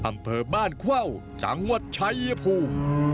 อำเภอบ้านเข้าจังหวัดชัยภูมิ